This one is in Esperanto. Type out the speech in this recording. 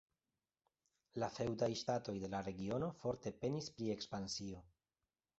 La feŭdaj ŝtatoj de la regiono forte penis pri ekspansio.